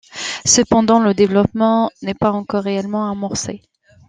Cependant, le développement n'y est pas encore réellement amorcé.